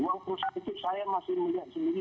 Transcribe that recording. uang perusahaan itu saya masih melihat sendiri